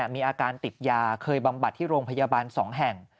มีอาการติดยาเคยบำบัดที่โรงพยาบาล๒แห่ง